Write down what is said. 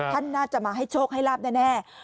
ท่านน่าจะมาให้โชคให้ลาบแน่